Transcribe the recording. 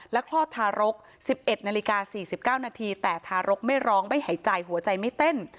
คลอดทารก๑๑นาฬิกา๔๙นาทีแต่ทารกไม่ร้องไม่หายใจหัวใจไม่เต้น